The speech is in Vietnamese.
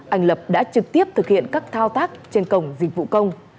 anh lập đã trực tiếp thực hiện các thao tác trên cổng dịch vụ công